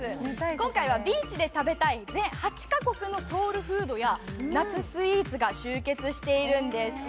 今回はビーチで食べたい全８カ国のソウルフードや夏スイーツが集結しているんです。